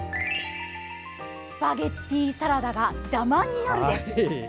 「スパゲッティサラダがダマになる」です。